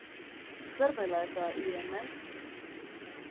Zer dela eta hi hemen?